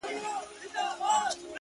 ها ښکلې که هر څومره ما وغواړي؛